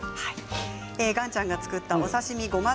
岩ちゃんが作ったお刺身ごま